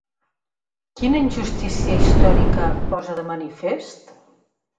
Quina injustícia històrica posa de manifest?